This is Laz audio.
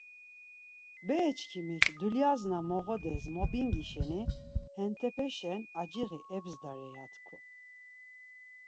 Bereçkimik “Dulyaz na moğodez mobingi şeni hentepeşen aciği ebzdare” ya tku.